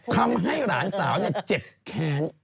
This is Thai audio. ทำให้หลานสาวเจ็บแค้น